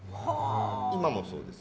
今もそうです。